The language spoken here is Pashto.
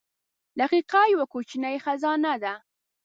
• دقیقه یوه کوچنۍ خزانه ده.